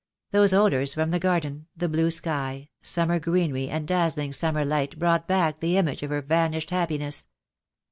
Those odours from the garden, the blue sky, summer greenery and dazzling summer light brought back the image of her vanished happiness.